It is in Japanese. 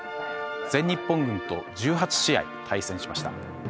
全日本軍と１８試合対戦しました。